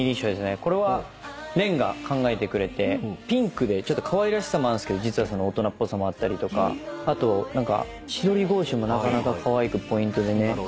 これは廉が考えてくれてピンクでちょっとかわいらしさもあるんですけど実は大人っぽさもあったりとかあと何か千鳥格子もなかなかかわいくポイントでね